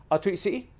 ở thụy sĩ